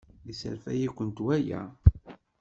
Yesserfay-ikent waya?